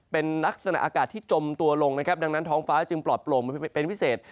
เป็นลักษณะอากาศที่จมตัวลงนะครับดังนั้นท้องฟ้าจึงปลอดโปร่งเป็นพิเศษ